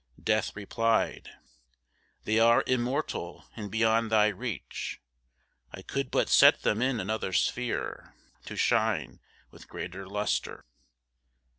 Death replied: 'They are immortal, and beyond thy reach, I could but set them in another sphere, To shine with greater lustre.